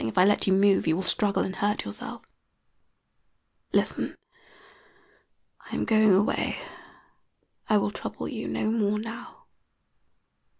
If I let you move you will struggle and hurt yourself. Listen. I am going away. I will trouble you no more now.